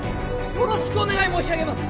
よろしくお願い申し上げます。